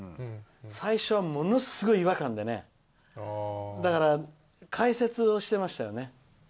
最初はものすごい違和感でねだから、解説をしてましたよね。